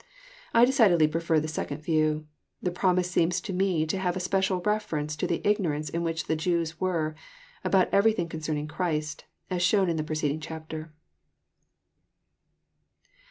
I decidedly pre fer this second view. The promise seems to me to have a special reference to the Ignorance in which the Jews were, about everything concerning Christ, as shown in the preceding chapter.